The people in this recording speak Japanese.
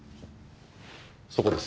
そこです。